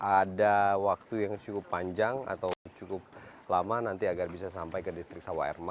ada waktu yang cukup panjang atau cukup lama nanti agar bisa sampai ke distrik sawah erma